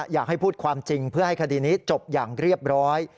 อยากให้พูดความจริงเพื่อให้คดีนี้จบอย่างเรียบร้อย